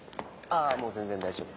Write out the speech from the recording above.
ああもう全然大丈夫。